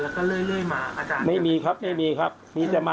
พระอาจารย์ออสบอกว่าอาการของคุณแป๋วผู้เสียหายคนนี้อาจจะเกิดจากหลายสิ่งประกอบกัน